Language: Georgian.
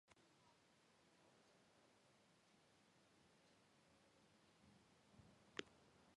არის სეზარისა და ლუმიერების პრემიის ლაურეატი.